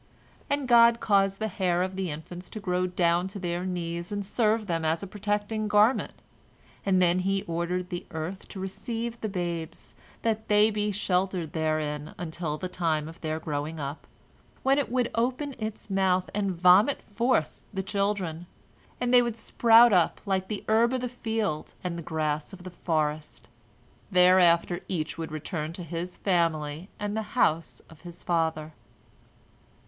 And God caused the hair of the infants to grow down to their knees and serve them as a protecting garment, and then He ordered the earth to receive the babes, that they be sheltered therein until the time of their growing up, when it would open its mouth and vomit forth the children, and they would sprout up like the herb of the field and the grass of the forest. Thereafter each would return to his family and the house of his father.